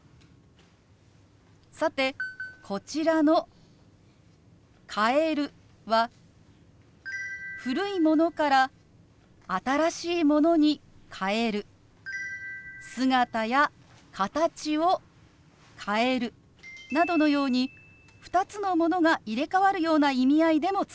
さてこちらの「変える」は「古いものから新しいものに変える」「姿や形を変える」などのように２つのものが入れかわるような意味合いでも使われます。